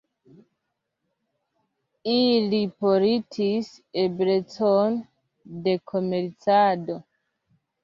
Ili portis eblecon de komercado.